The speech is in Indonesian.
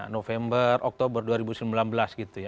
november oktober dua ribu sembilan belas gitu ya